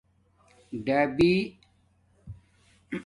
ڈبِی